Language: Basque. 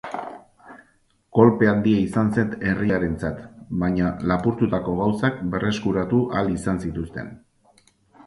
Kolpe handia izan zen herriarentzat, baina lapurtutako gauzak berreskuratu ahal izan zituzten.